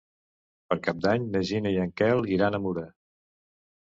Per Cap d'Any na Gina i en Quel iran a Mura.